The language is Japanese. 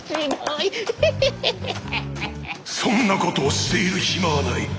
・そんなことをしている暇はない！